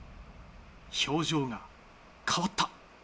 表情が変わった。